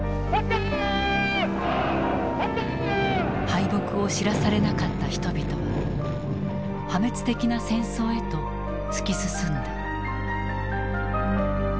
敗北を知らされなかった人々は破滅的な戦争へと突き進んだ。